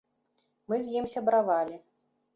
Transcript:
Мы з ім сябравалі.